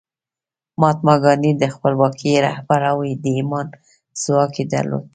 مهاتما ګاندي د خپلواکۍ رهبر و او د ایمان ځواک یې درلود